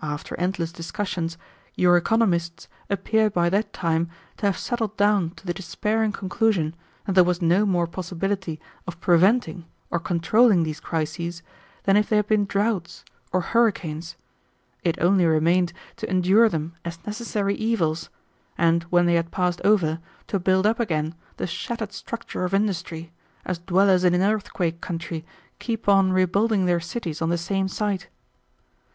After endless discussions, your economists appear by that time to have settled down to the despairing conclusion that there was no more possibility of preventing or controlling these crises than if they had been drouths or hurricanes. It only remained to endure them as necessary evils, and when they had passed over to build up again the shattered structure of industry, as dwellers in an earthquake country keep on rebuilding their cities on the same site.